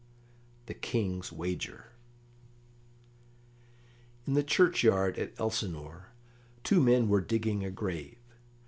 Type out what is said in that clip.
The King's Wager In the churchyard at Elsinore two men were digging a grave.